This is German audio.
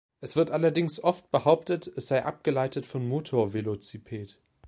Es wird allerdings oft behauptet, es sei abgeleitet von Motor-Veloziped.